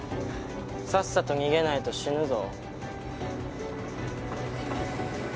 さっさと逃げないと死ぬぞ。